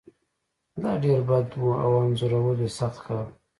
دا ډیر بد و او انځورول یې سخت کار و